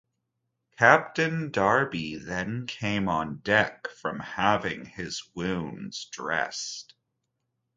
Captain Darby then came on deck from having his wounds dressed.